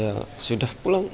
ya sudah pulang